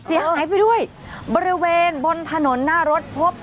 เสียหายไปด้วยบริเวณบนถนนหน้ารถพบ